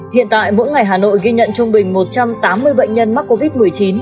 hiện tại mỗi ngày hà nội ghi nhận trung bình một trăm tám mươi bệnh nhân mắc covid một mươi chín